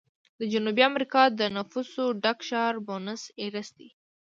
د جنوبي امریکا د نفوسو ډک ښار بونس ایرس دی.